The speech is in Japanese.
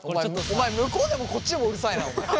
お前向こうでもこっちでもうるさいなお前。